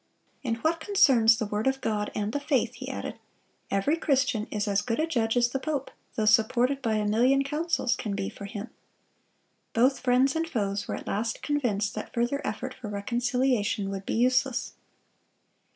"In what concerns the word of God and the faith," he added, "every Christian is as good a judge as the pope, though supported by a million councils, can be for him."(235) Both friends and foes were at last convinced that further effort for reconciliation would be useless.